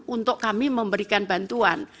untuk kami memberikan bantuan